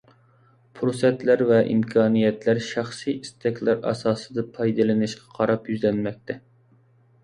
پۇرسەتلەر ۋە ئىمكانىيەتلەر شەخسىي ئىستەكلەر ئاساسىدا پايدىلىنىشقا قاراپ يۈزلەنمەكتە.